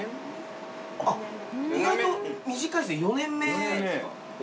意外と短いですね４年目。